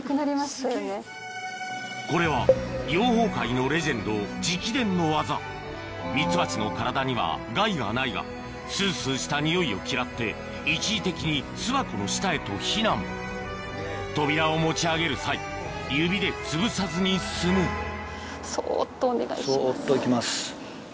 これは養蜂界のレジェンド直伝の技ミツバチの体には害がないがススしたにおいを嫌って一時的に巣箱の下へと避難扉を持ち上げる際指でつぶさずに済むそっと行きます。